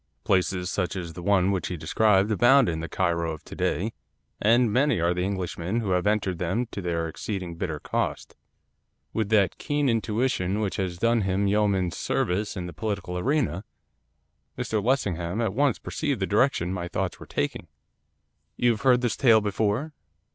Places such as the one which he described abound in the Cairo of to day; and many are the Englishmen who have entered them to their exceeding bitter cost. With that keen intuition which has done him yeoman's service in the political arena, Mr Lessingham at once perceived the direction my thoughts were taking. 'You have heard this tale before?